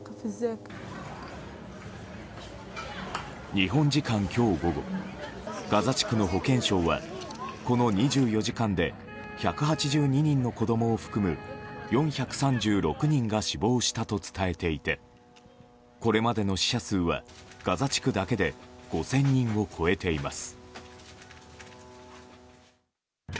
日本時間今日午後ガザ地区の保健省はこの２４時間で１８２人の子供を含む４３６人が死亡したと伝えていてこれまでの死者数はガザ地区だけで５０００人を超えています。